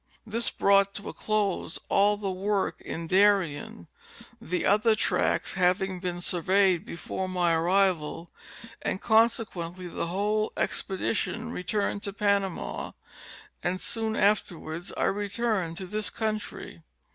This brought to a close all the work in Darien, the other tracts having been surveyed before my arrival and conse quently the whole expedition returned to Panama, and soon afterwards I returned to this country.